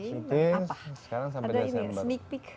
shooting sekarang sampai desember